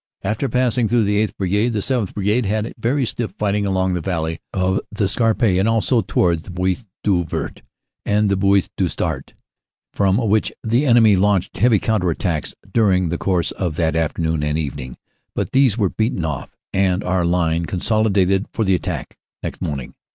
After passing through the 8th. Brigade, the 7th. Brigade had very stiff fighting along the valley of the Scarpe and also towards the Bois du Vert and the Bois du Sart, from which the enemy launched heavy counter attacks during the course of that afternoon and evening. But these were beaten off and our line consolidated for the attack next morning.